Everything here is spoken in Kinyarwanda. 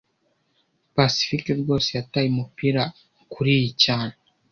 Pacifique rwose yataye umupira kuriyi cyane